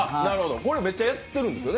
これは、めっちゃやってるんですよね？